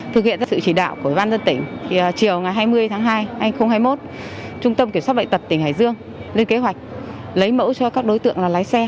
thực hiện sự chỉ đạo của ủy ban dân tỉnh chiều ngày hai mươi tháng hai hai nghìn hai mươi một trung tâm kiểm soát bệnh tật tỉnh hải dương lên kế hoạch lấy mẫu cho các đối tượng là lái xe